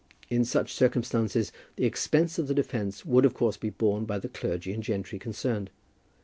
In such circumstances the expense of the defence would of course be borne by the clergy and gentry concerned.